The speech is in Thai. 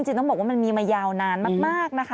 จริงต้องบอกว่ามันมีมายาวนานมาก